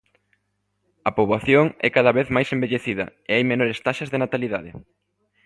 A poboación é cada vez máis envellecida e hai menores taxas de natalidade.